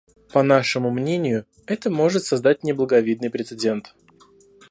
По нашему мнению, это может создать неблаговидный прецедент.